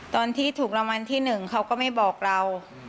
ตอนที่ถูกรางวัลที่๑เขาก็ไม่บอกเรา